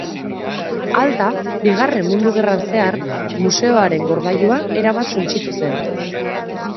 Alta, Bigarren Mundu Gerra zehar, museoaren gordailua erabat suntsitu zen.